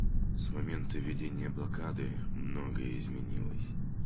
С момента введения блокады многое изменилось.